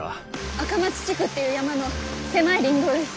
赤松地区っていう山の狭い林道です。